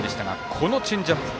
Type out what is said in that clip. このチェンジアップ。